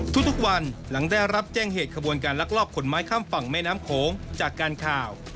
ทุกวันหลังได้รับแจ้งเหตุขบวนการลักลอบขนไม้ข้ามฝั่งแม่น้ำโขงจากการข่าว